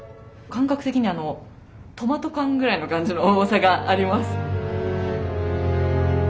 感覚的にあのトマト缶ぐらいの感じの重さがあります。